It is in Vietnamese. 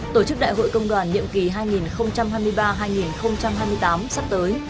tổ chức đại hội công đoàn nhiệm kỳ hai nghìn hai mươi ba hai nghìn hai mươi tám sắp tới